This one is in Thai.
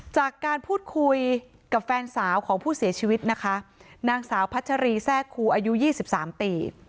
จากการพูดคุยกับแฟนสาวของผู้เสียชีวิตนะคะนางสาวพัชรีแทรกครูอายุ๒๓ปี